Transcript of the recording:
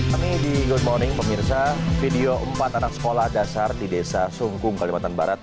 kami di good morning pemirsa video empat anak sekolah dasar di desa sungkung kalimantan barat